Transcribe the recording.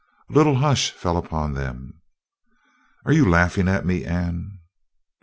A little hush fell upon them. "Are you laughing at me, Anne?"